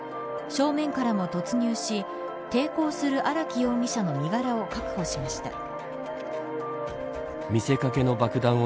正面からも突入し抵抗する荒木容疑者の身柄を確保しました。